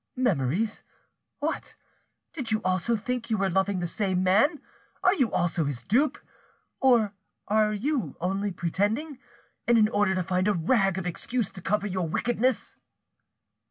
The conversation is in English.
"Memories? What! did you also think you were loving the same man? Are you also his dupe? Or are you only pretending, in order to find a rag of excuse to cover your wickedness?"